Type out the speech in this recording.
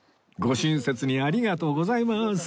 ご親切にありがとうございます